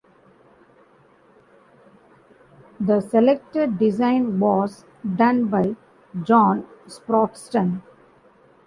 The selected design was done by John Sproston.